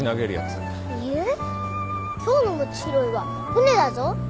今日の餅拾いは船だぞ。